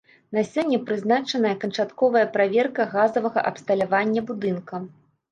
На сёння прызначаная канчатковая праверка газавага абсталявання будынка.